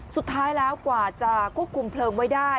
สุดท้ายแล้วกว่าจะควบคุมเพลิงไว้ได้